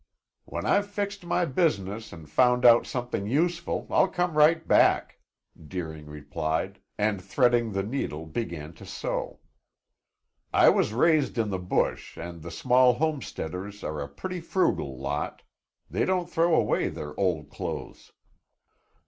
"When I've fixed my business and found out something useful I'll come right back," Deering replied and threading the needle began to sew. "I was raised in the bush and the small homesteaders are a pretty frugal lot. They don't throw away their old clothes."